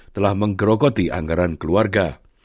telah menggerokoti anggaran keluarga